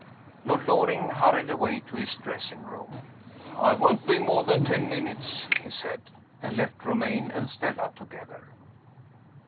LORD LORING hurried away to his dressing room. "I won't be more than ten minutes," he said and left Romayne and Stella together.